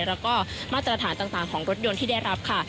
แล้วก็มาตรฐานต่างของรถยนต์ที่ได้รับค่ะ